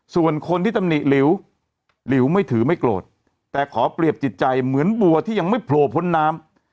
ส่วนคนที่ตำหนิหลิวหลิวไม่ถือไม่โกรธแต่ขอเปรียบจิตใจเหมือนบัวที่ยังไม่โผล่พ้นน้ำ